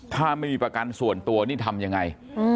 ถ้าไม่มีประกันส่วนตัวนี่ทำยังไง